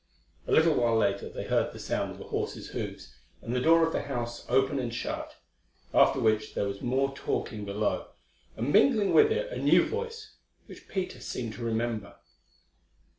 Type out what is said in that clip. A little while later they heard the sound of a horse's hoofs, and the door of the house open and shut, after which there was more talking below, and mingling with it a new voice which Peter seemed to remember.